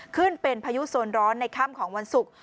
ขึ้นเป็นพายุโซนร้อนในค่ำของวันศุกร์